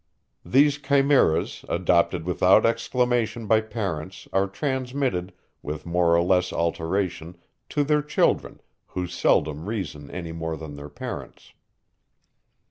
These chimeras, adopted without examination by parents, are transmitted, with more or less alteration, to their children, who seldom reason any more than their parents.